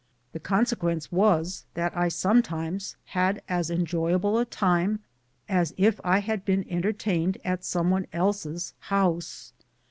The consequence was that I sometimes had as enjoyable a time as if I had been entertained at some one else's house.